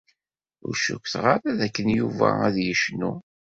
Ur cukkteɣ ara dakken Yuba ad yecnu.